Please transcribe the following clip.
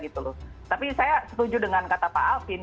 tapi saya setuju dengan kata pak alvin